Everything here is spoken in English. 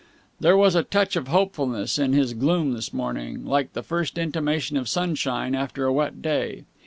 There was a touch of hopefulness in his gloom this morning, like the first intimation of sunshine after a wet day.